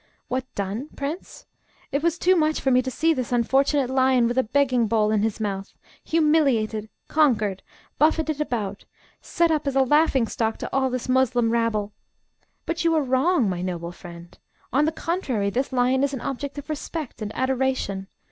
"What done, prince? It was too much for me to see this unfortunate lion with a begging bowl in his mouth, humiliated, conquered, buffeted about, set up as a laughing stock to all this Moslem rabble" "But you are wrong, my noble friend. On the contrary, this lion is an object of respect and adoration.